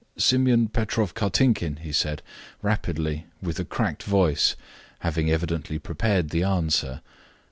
"Simon Petrov Kartinkin," he said, rapidly, with a cracked voice, having evidently prepared the answer.